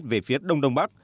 về phía đông đông bắc